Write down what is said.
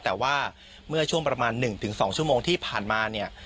แต่ว่าเมื่อช่วงประมาณ๑๒ชั่วโมงที่ผ่านมาเนี่ย